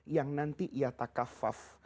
yang nanti ya takafaf